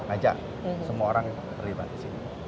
ajak semua orang terlibat di sini